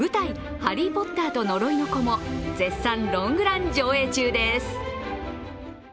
「ハリー・ポッターと呪いの子」も絶賛ロングラン上演中です。